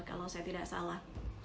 kalau saya tidak salah